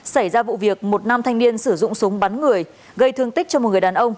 xảy ra vụ việc một nam thanh niên sử dụng súng bắn người gây thương tích cho một người đàn ông